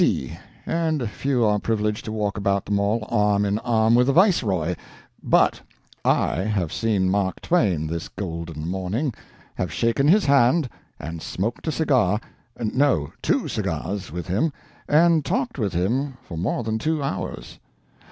C., and a few are privileged to walk about the Mall arm in arm with the Viceroy; but I have seen Mark Twain this golden morning, have shaken his hand, and smoked a cigar—no, two cigars—with him, and talked with him for more than two hours!